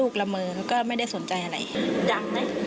ใกล้มาก